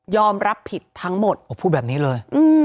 รับผิดทั้งหมดพูดแบบนี้เลย